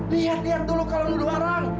lihat dulu kalau kamu dua orang